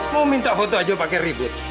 mau minta foto aja pakai ribut